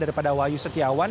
daripada wahyu setiawan